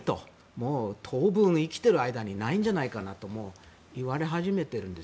もう当分、生きてる間にないんじゃないかなといわれ始めているんです。